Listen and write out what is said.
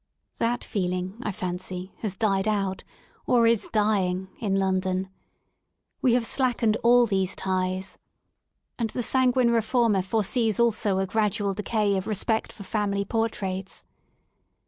That feeling, I fancy, has died out, or is dying, in London. We have slackened all these ties, and th,e 164 REST IN LONDON sanguine reformer foresees also a gradual decay of re spect for family portraits.